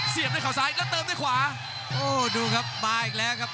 ด้วยเขาซ้ายแล้วเติมด้วยขวาโอ้ดูครับมาอีกแล้วครับ